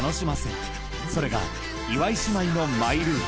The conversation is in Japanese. ［それが岩井姉妹のマイルール］